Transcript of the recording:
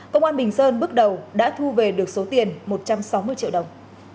công an bình sơn bước đầu đã thu về được số tiền một trăm sáu mươi triệu đồng